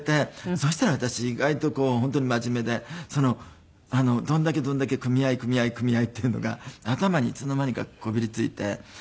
そしたら私意外とこう本当に真面目でどんだけどんだけ組合組合組合っていうのが頭にいつの間にかこびりついて。